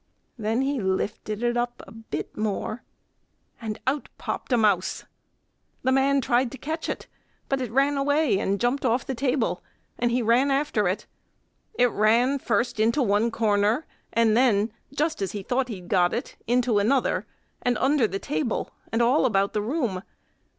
Then he lifted it up a bit more, and out popped a mouse. The man tried to catch it; but it ran away and jumped off the table and he ran after it. It ran first into one corner, and then, just as he thought he'd got it, into another, and under the table, and all about the room.